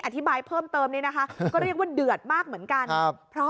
ความจริงโอ้โหขอบภัยนะคะ